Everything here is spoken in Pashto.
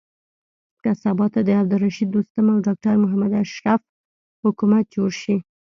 که سبا ته د عبدالرشيد دوستم او ډاکټر محمد اشرف حکومت جوړ شي.